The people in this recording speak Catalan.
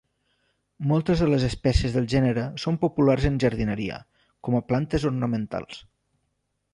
Moltes de les espècies del gènere són populars en jardineria, com a plantes ornamentals.